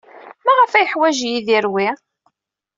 Maɣef ay yeḥwaj Yidir wi?